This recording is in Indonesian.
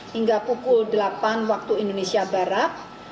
hingga pukul delapan waktu indonesia barat